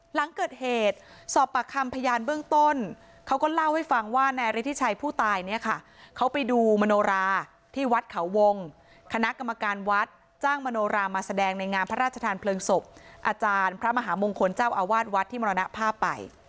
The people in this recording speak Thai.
หลังเกิดเหตุสอบปากคำพยานเบื้องต้นเขาก็เล่าให้ฟังว่านายฤทธิชัยผู้ตายเนี่ยค่ะเขาไปดูมโนราที่วัดเขาวงคณะกรรมการวัดจ้างมโนรามาแสดงในงานพระราชทานเพลิงศพอาจารย์พระมหามงคลเจ้าอาวาสวัดที่มรณภาพไป